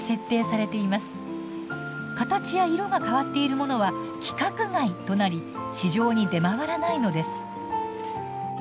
形や色が変わっているものは「規格外」となり市場に出回らないのです。